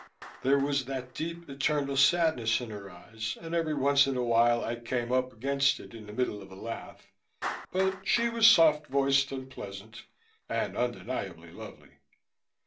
There was that deep, eternal sadness in her eyes, and every once in a while I came up against it in the middle of a laugh; but she was soft voiced and pleasant, and undeniably lovely.